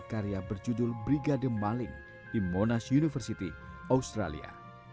karya berjudul brigade maling di monas university australia